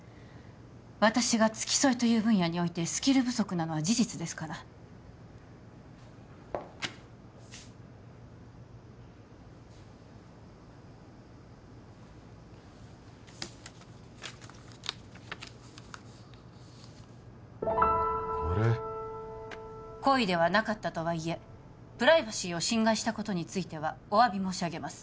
私が付き添いという分野においてスキル不足なのは事実ですからこれ故意ではなかったとはいえプライバシーを侵害したことについてはお詫び申し上げます